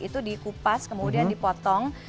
itu dikupas kemudian dipotong